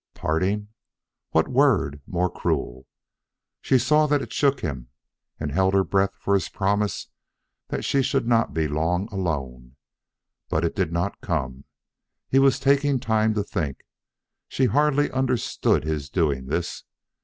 Parting! What word more cruel. She saw that it shook him, and held her breath for his promise that she should not be long alone. But it did not come. He was taking time to think. She hardly understood his doing this.